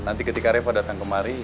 nanti ketika reva datang kemari